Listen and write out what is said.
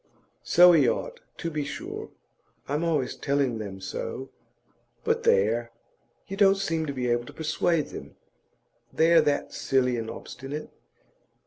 'So he ought, to be sure. I'm always telling them so. But there! you don't seem to be able to persuade them, they're that silly and obstinate.